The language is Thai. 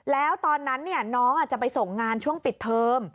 แล้วตอนนั้นน้องจะไปส่งงานช่วงปิดเทอม